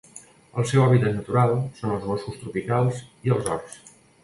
El seu hàbitat natural són els boscos tropicals i els horts.